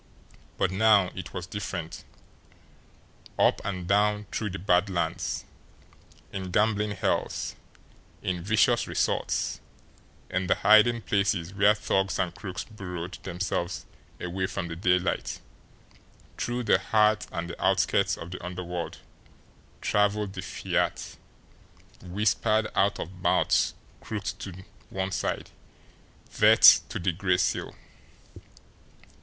But now it was different. Up and down through the Bad Lands, in gambling hells, in vicious resorts, in the hiding places where thugs and crooks burrowed themselves away from the daylight, through the heart and the outskirts of the underworld travelled the fiat, whispered out of mouths crooked to one side DEATH TO THE GRAY SEAL!